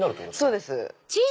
そうです。